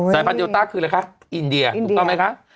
สายพันธุเดลต้าคืออะไรคะอินเดียถูกต้องไหมคะ